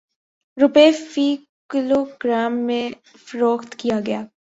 روپے فی kilo gram میں فروخت کیا گیا